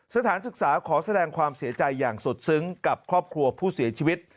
สถานศึกษาขอแสดงความเสียใจอย่างสุดซึ้งกับครอบครัวผู้เสียชีวิต